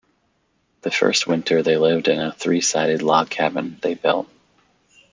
The first winter, they lived in a three-sided log cabin they built.